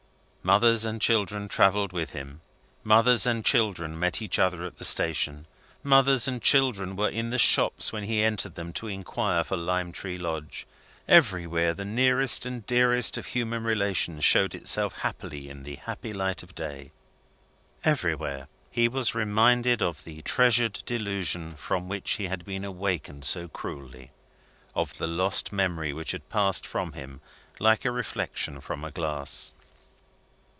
Mothers and children travelled with him; mothers and children met each other at the station; mothers and children were in the shops when he entered them to inquire for Lime Tree Lodge. Everywhere, the nearest and dearest of human relations showed itself happily in the happy light of day. Everywhere, he was reminded of the treasured delusion from which he had been awakened so cruelly of the lost memory which had passed from him like a reflection from a glass.